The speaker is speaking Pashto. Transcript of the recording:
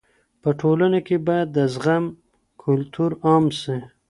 په ټولنه کي بايد د زغم کلتور عام سي.